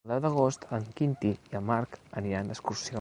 El deu d'agost en Quintí i en Marc aniran d'excursió.